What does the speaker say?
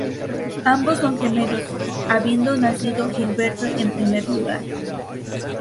Ambos son gemelos, habiendo nacido Gilberto en primer lugar.